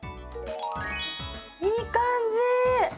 いい感じ。